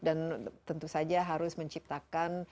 dan tentu saja harus menciptakan